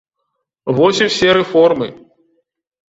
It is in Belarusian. Вось і ўсе рэформы!